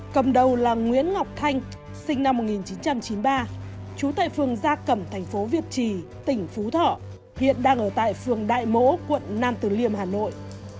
cầm đầu là nguyễn ngọc thanh sinh năm một nghìn chín trăm chín mươi ba trú tại phường gia cẩm thành phố việt trì tỉnh phú thọ hiện đang ở tại phường đại mỗ quận nam từ liêm hà nội